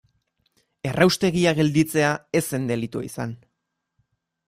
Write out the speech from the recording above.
Erraustegia gelditzea ez zen delitua izan.